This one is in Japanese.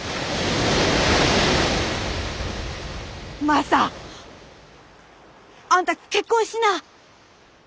マサあんた結婚しな。